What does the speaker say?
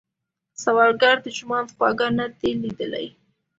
سوالګر د ژوند خواږه نه دي ليدلي